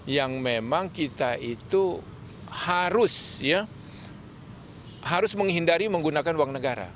yang memang kita itu harus menghindari menggunakan uang negara